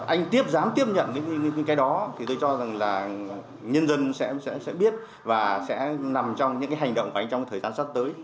anh tiếp giám tiếp nhận những cái đó thì tôi cho rằng là nhân dân sẽ biết và sẽ nằm trong những cái hành động của anh trong thời gian sắp tới